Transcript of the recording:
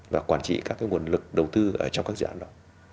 và quản trị các nguồn lực đầu tư ở trong các dự án đó